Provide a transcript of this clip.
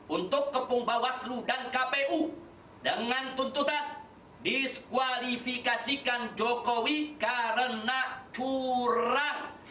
untuk menggelar jihad konstitusional dan mendiskutasi pasangan jokowi ma'ruf